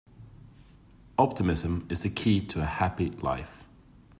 Optimism is the key to a happy life.